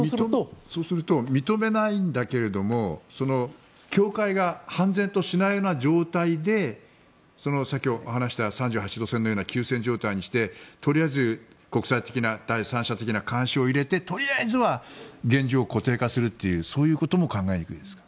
そうすると認めないんだけども境界が判然としないような状態でさっき話した３８度線のような休戦状態にしてとりあえず、国際的な第三者的な監視を入れてとりあえずは現状を固定化するというそういうことも考えにくいですか？